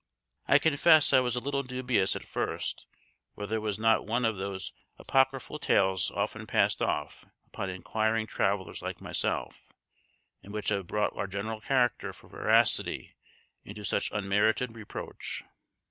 I confess I was a little dubious at first whether it was not one of those apocryphal tales often passed off upon inquiring travellers like myself, and which have brought our general character for veracity into such unmerited reproach.